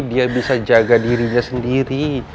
dia bisa jaga dirinya sendiri